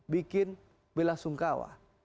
bikin bela sungkawa